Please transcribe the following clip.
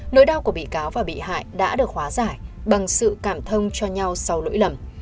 nỗi đau của bị cáo và bị hại đã được hóa giải bằng sự cảm thông cho nhau sau lỗi lầm